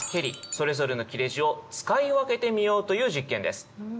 それぞれの切れ字を使い分けてみようという実験です。